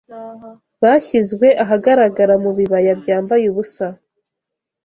byashyizwe ahagaragara Mubibaya byambaye ubusa